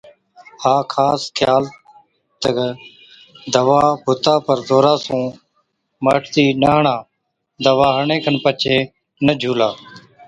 ها خيال ڪجا تہ دَوا بُتا پر زورا سُون مهٽتِي نہ هڻا، دَوا هڻڻي کن پڇي نہ جھُولا۔